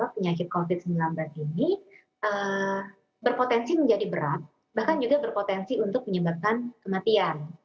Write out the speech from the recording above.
penyakit covid sembilan belas ini berpotensi menjadi berat bahkan juga berpotensi untuk menyebabkan kematian